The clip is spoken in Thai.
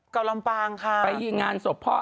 กับลำปางค่ะไปยิงงานศพพ่ออาตุ๋ย